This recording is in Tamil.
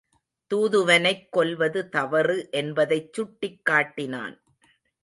தூதுவனைக் கொல்வது தவறு என்பதைச் சுட்டிக் காட்டினான்.